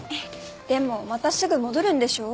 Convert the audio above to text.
でもまたすぐ戻るんでしょ？